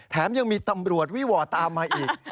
ยังมีตำรวจวิวอตามมาอีก